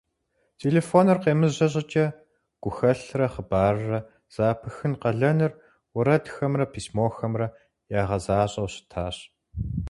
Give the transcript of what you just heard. Телефоныр къемыжьэ щӀыкӀэ, гухэлърэ хъыбаррэ зэӀэпыхын къалэныр уэрэдхэмрэ письмохэмрэ ягъэзащӀэу щытащ.